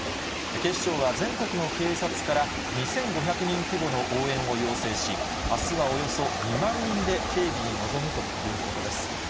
警視庁は全国の警察から、２５００人規模の応援を要請し、あすはおよそ２万人で警備に臨むということです。